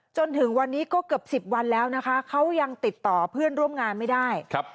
จนถึงวันนี้ก็เกือบสิบวันแล้วนะคะเขายังติดต่อเพื่อนร่วมงานไม่ได้